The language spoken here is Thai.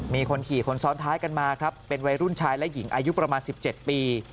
มีคนขี่คนซ้อนท้ายกันมาครับเป็นวัยรุ่นชายและหญิงอายุประมาณ๑๗ปี